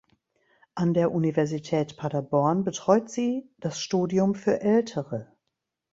An der Universität Paderborn betreut sie das Studium für Ältere.